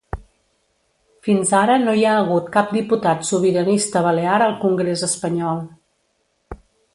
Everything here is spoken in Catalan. Fins ara no hi ha hagut cap diputat sobiranista balear al congrés espanyol.